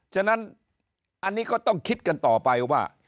ฉะนั้นอันนี้ก็ต้องคิดกันต่อไปว่า